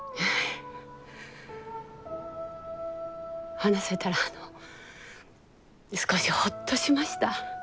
話せたらあの少しホッとしました。